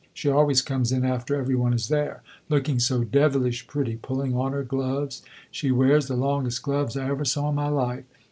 She always comes in after every one is there looking so devilish pretty, pulling on her gloves. She wears the longest gloves I ever saw in my life.